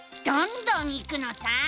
どんどんいくのさ！